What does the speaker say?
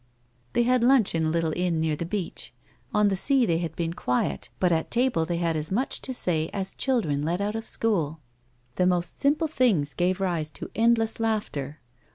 They had lunch in a little inn near the beach. On the sea they had been quiet but at table they had as much to say as children let out of school. A WOMAN'S LIFE. 35 The most simple things gave rise to endless laui^hter.